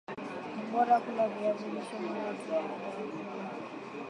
ni bora kula viazi lishe mara tu baada ya kula